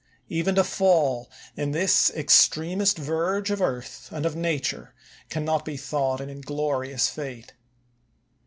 Even to fall in this extremest verge of earth and of nature can not be thought an inglorious fate.